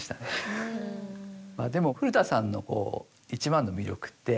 でも古田さんの一番の魅力って。